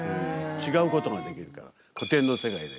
違うことができるから古典の世界で。